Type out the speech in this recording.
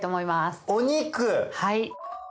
はい。